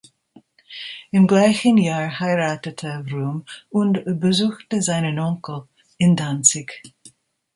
Im gleichen Jahr heiratete Vroom und besuchte seinen Onkel in Danzig.